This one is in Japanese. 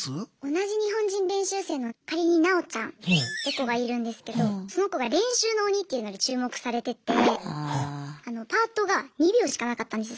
同じ日本人練習生の仮になおちゃんって子がいるんですけどその子が「練習の鬼」っていうので注目されててパートが２秒しかなかったんですよ